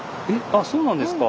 あっそうなんですか。